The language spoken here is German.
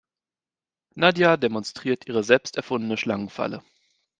Nadja demonstriert ihre selbst erfundene Schlangenfalle.